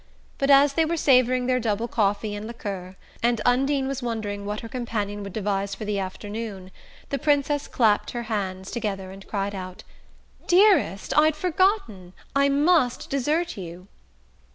But as they were savouring their "double" coffee and liqueurs, and Undine was wondering what her companion would devise for the afternoon, the Princess clapped her hands together and cried out: "Dearest, I'd forgotten! I must desert you."